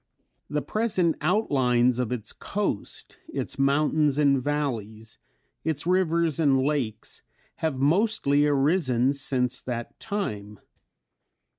The present outlines of its coast, its mountains and valleys, its rivers and lakes, have mostly arisen since that time.